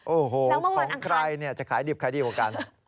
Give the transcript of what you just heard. โอ้โหของใครจะขายดิบใครดีกว่ากัน